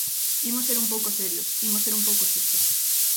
Imos ser un pouco serios, imos ser un pouco xustos.